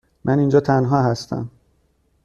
من اینجا تنها هستم.